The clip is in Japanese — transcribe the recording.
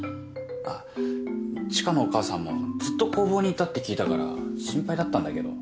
あっ知花のお母さんもずっと工房にいたって聞いたから心配だったんだけど。